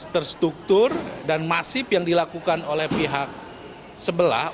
terstruktur dan masif yang dilakukan oleh pihak sebelah